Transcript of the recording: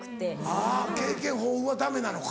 あぁ経験豊富はダメなのか。